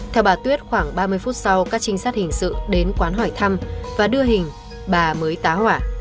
theo bà tuyết khoảng ba mươi phút sau các trinh sát hình sự đến quán hỏi thăm và đưa hình bà mới tá hỏa